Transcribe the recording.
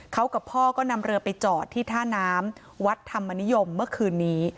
เขากับพ่อก็นำเรือไปจอดที่ท่าน้ำวัดธรรมนิยมเมื่อคืนนี้